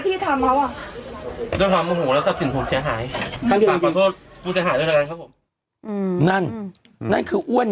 พี่ก็ไม่เคยทิ้งเขาเลย